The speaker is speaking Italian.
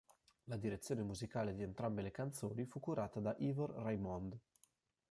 La direzione musicale di entrambe le canzoni fu curata da Ivor Raymonde.